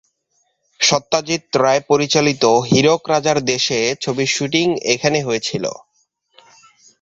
সত্যজিৎ রায় পরিচালিত "হীরক রাজার দেশে" ছবির শ্যুটিং এখানে হয়েছিল।